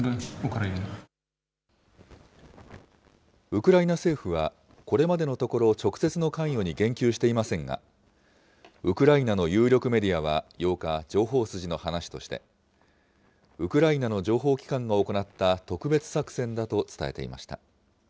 ウクライナ政府は、これまでのところ、直接の関与に言及していませんが、ウクライナの有力メディアは８日、情報筋の話として、ウクライナの情報機関が行った特別作戦だと伝えていました。